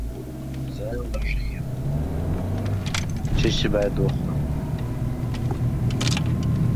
He is currently a sideline reporter and commentator for the Volume Network.